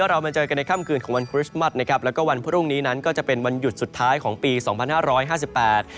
เรามาเจอกันในค่ำคืนของวันคริสต์มัสนะครับแล้วก็วันพรุ่งนี้นั้นก็จะเป็นวันหยุดสุดท้ายของปีสองพันห้าร้อยห้าสิบแปด